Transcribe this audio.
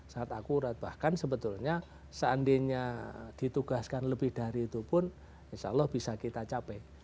sangat akurat bahkan sebetulnya seandainya ditugaskan lebih dari itu pun insya allah bisa kita capai